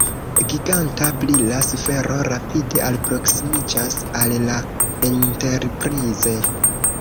Giganta brila sfero rapide alproksimiĝas al la "Enterprise".